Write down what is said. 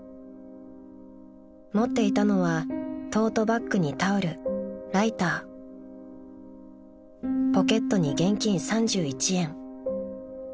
［持っていたのはトートバッグにタオルライターポケットに現金３１円］